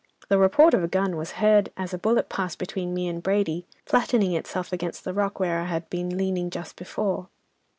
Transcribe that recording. The report of a gun was heard, as a bullet passed between me and Brady, flattening itself against the rock where I had been leaning just before.